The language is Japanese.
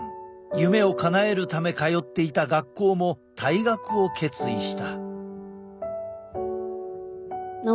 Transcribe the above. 夢をかなえるため通っていた学校も退学を決意した。